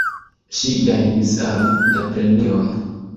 Ŝi gajnis aron da premioj.